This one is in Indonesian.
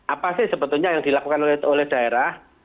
apa sih sebetulnya yang dilakukan oleh daerah